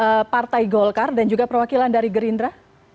dari partai golkar dan juga perwakilan dari gerindra